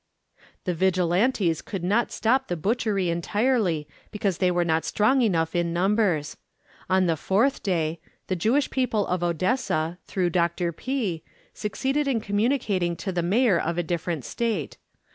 The Vigilantes could not stop the butchery entirely because they were not strong enough in numbers. On the fourth day, the Jewish people of Odessa, through Dr. P , succeeded in communicating to the Mayor of a different State.